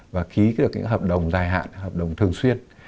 và ký được những hợp đồng dài hạn hợp đồng thường xuyên